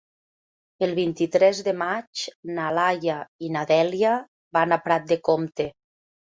El vint-i-tres de maig na Laia i na Dèlia van a Prat de Comte.